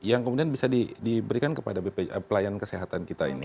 yang kemudian bisa diberikan kepada pelayanan kesehatan kita ini